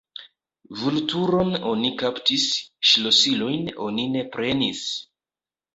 Vulturon oni kaptis, ŝlosilojn oni ne prenis!